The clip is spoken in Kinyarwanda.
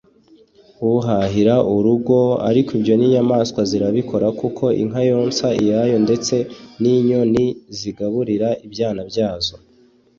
uhahira urugo…ariko ibyo n’inyamaswa zirabikora kuko inka yonsa iyayo ndetse n’inyoni zigaburira ibyana byazo